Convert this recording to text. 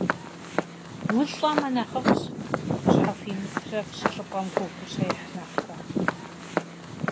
Улӏэмэ нэхъыфӏщ, ущхьэхуимытрэ пщылӏыпӏэм гугъу ущехь нэхърэ.